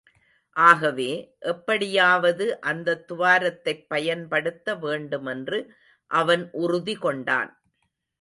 ஆகவே, எப்படியாவது அந்தத் துவாரத்தைப் பயன்படுத்த வேண்டுமென்று அவன் உறுதிகொண்டான்.